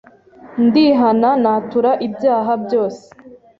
ndihana ,natura ibyaha byose